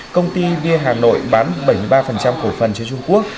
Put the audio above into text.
công ty vn hà nội bán bảy mươi ba cổ phần cho trung quốc